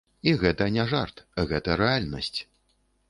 І гэта не жарт, гэта рэальнасць.